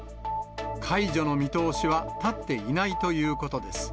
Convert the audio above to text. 解除の見通しは立っていないということです。